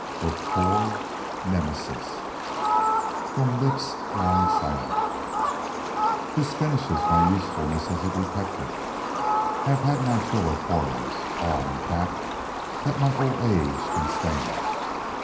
BOOK IV NEMESIS XXVII FROM LIPS LONG SILENT "This finishes my usefulness as a detective. I have had my fill of horrors; all, in fact, that my old age can stand."